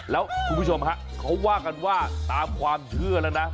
แล้วคุณผู้ชมฮะเขาว่ากันว่าตามความเชื่อแล้วนะ